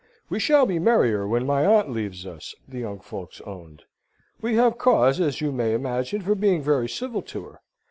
"We shall be merrier when my aunt leaves us," the young folks owned. "We have cause, as you may imagine, for being very civil to her.